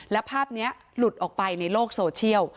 แล้วภาพนี้หลุดออกไปในโลกโซเชียล